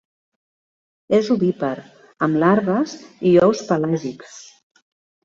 És ovípar, amb larves i ous pelàgics.